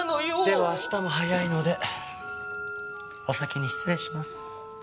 では明日も早いのでお先に失礼します。